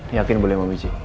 yakin boleh mau biji